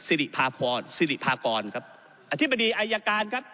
สิริภาพรสิริพากรครับอธิบดีอายการครับ